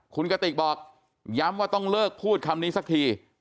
คุณกติกบอกย้ำว่าต้องเลิกพูดคำนี้สักที